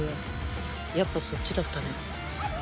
やっぱそっちだったの？